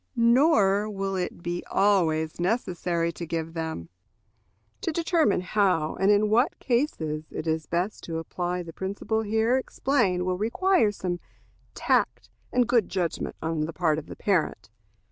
Nor will it be always necessary to give them. To determine how and in what cases it is best to apply the principle here explained will require some tact and good judgment on the part of the parent.